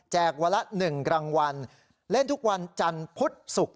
วันละ๑รางวัลเล่นทุกวันจันทร์พุธศุกร์